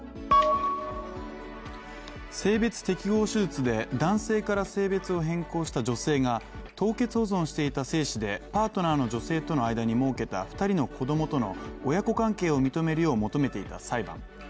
性別適合手術で男性から性別を変更した女性が凍結保存していた精子でパートナーの女性との間にもうけた２人の子供との親子関係を認めるよう求めていた裁判。